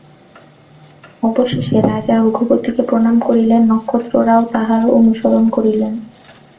অবশেষে রাজা রঘুপতিকে প্রণাম করিলেন, নক্ষত্ররায়ও তাঁহার অনুসরণ করিলেন।